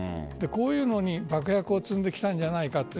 こういうのに爆薬を積んできたんじゃないかと。